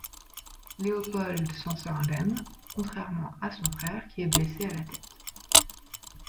Léopold s'en sort indemne, contrairement à son frère qui est blessé à la tête.